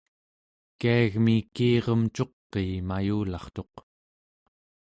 kiagmi kiirem cuqii mayulartuq